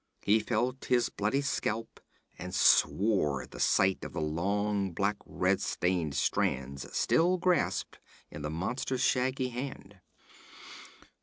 He felt his bloody scalp and swore at the sight of the long black red stained strands still grasped in the monster's shaggy hand.